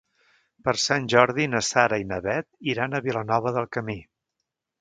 Per Sant Jordi na Sara i na Bet iran a Vilanova del Camí.